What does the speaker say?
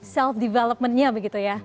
self development nya begitu ya